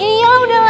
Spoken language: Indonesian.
iya lah udah lama